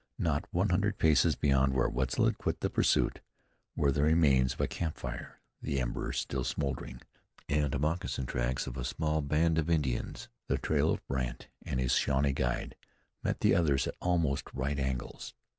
Not one hundred paces beyond where Wetzel had quit the pursuit, were the remains of a camp fire, the embers still smoldering, and moccasin tracks of a small band of Indians. The trail of Brandt and his Shawnee guide met the others at almost right angles.